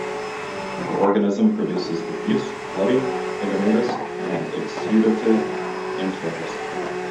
The organism produces diffuse, bloody, edematous, and exudative enteritis.